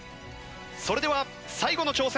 それでは最後の挑戦